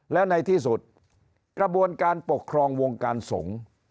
แล้วในที่สุดกระบวนการปกครองวงการสงฆ์